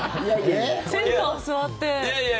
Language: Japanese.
センター座って。